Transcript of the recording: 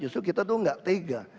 justru kita itu tidak tega